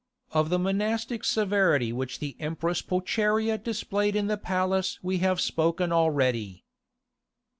Of the monastic severity which the Empress Pulcheria displayed in the palace we have spoken already.